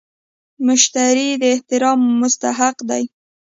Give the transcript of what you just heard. مشتري د احترام مستحق دی.